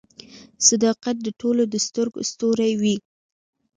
• صداقت د ټولو د سترګو ستوری وي.